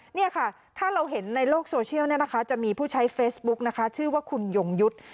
นี่ค่ะถ้าเราเห็นในโลกโซเชียลเนี่ยนะคะจะมีผู้ใช้เฟซบุ๊กนะคะชื่อว่าคุณยงยุทธ์